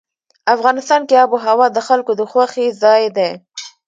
افغانستان کې آب وهوا د خلکو د خوښې ځای دی.